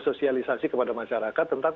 sosialisasi kepada masyarakat tentang